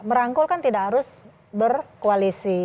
merangkul kan tidak harus berkoalisi